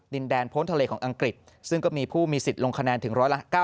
ดินแดนพ้นทะเลของอังกฤษซึ่งก็มีผู้มีสิทธิ์ลงคะแนนถึง๑๙